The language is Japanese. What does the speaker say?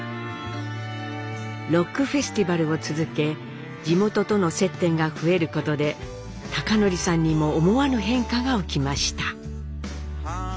ロックフェスティバルを続け地元との接点が増えることで貴教さんにも思わぬ変化が起きました。